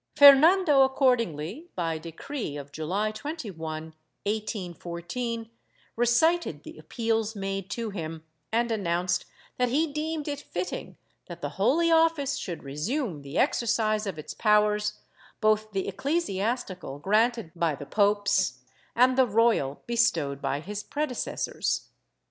^ Fernando accordingly, by decree of July 21, 1814, recited the appeals made to him and announced that he deemed it fitting that the Holy Office should resume the exercise of its powers, both the ecclesiastical granted by the popes and the royal, bestowed by his predecessors.